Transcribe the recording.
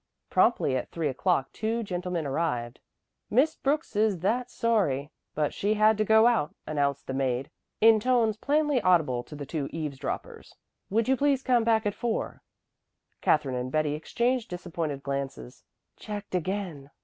Promptly at three o'clock two gentlemen arrived. "Miss Brooks is that sorry, but she had to go out," announced the maid in tones plainly audible to the two eavesdroppers. "Would you please to come back at four?" Katherine and Betty exchanged disappointed glances. "Checked again.